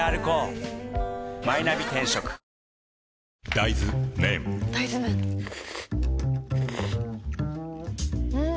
大豆麺ん？